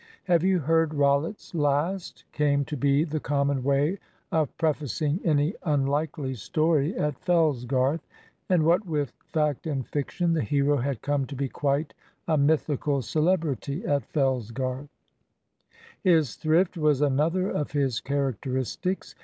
"Have you heard Rollitt's last?" came to be the common way of prefacing any unlikely story at Fellsgarth; and what with fact and fiction, the hero had come to be quite a mythical celebrity at Fellsgarth. His thrift was another of his characteristics.